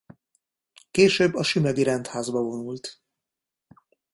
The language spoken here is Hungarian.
Később a sümegi rendházba vonult.